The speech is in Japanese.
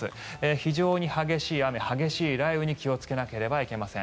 非常に激しい雨、激しい雷雨に気をつけなければいけません。